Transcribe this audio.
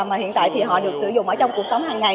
mà hiện tại thì họ được sử dụng ở trong cuộc sống hàng ngày